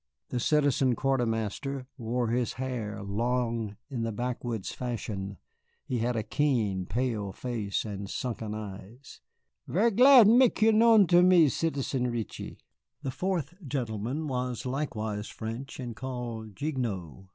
The Citizen Quartermaster wore his hair long in the backwoods fashion; he had a keen, pale face and sunken eyes. "Ver' glad mek you known to me, Citizen Reetchie." The fourth gentleman was likewise French, and called Gignoux.